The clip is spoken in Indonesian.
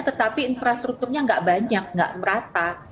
tetapi infrastrukturnya tidak banyak tidak merata